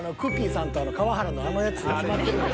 さんと川原のあのやつって決まってるんで。